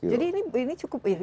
jadi ini cukup